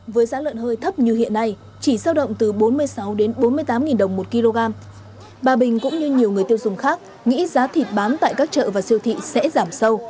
với giá lợn hơi thấp như hiện nay chỉ giao động từ bốn mươi sáu bốn mươi tám đồng một kg bà bình cũng như nhiều người tiêu dùng khác nghĩ giá thịt bán tại các chợ và siêu thị sẽ giảm sâu